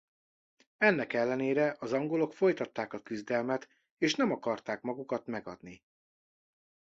Ennek ellenére az angolok folytatták a küzdelmet és nem akarták magukat megadni.